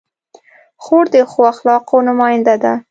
خور د ښو اخلاقو نماینده ده.